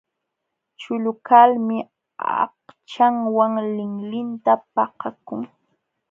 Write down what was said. Chulu kalmi aqchanwan linlinta pakakun.